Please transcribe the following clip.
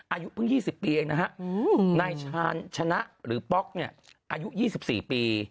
อายุเพิ่ง๒๐ปีในชาญฌนะหรือป๊อกอายุ๒๔ปี